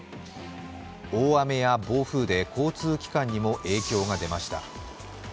大雨や暴風で交通機関にも影響が出ました。